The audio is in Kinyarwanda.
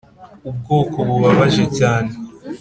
ubwoko bubabaje cyane.